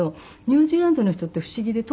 ニュージーランドの人って不思議で。